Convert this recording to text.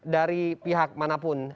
dari pihak manapun